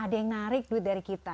ada yang narik duit dari kita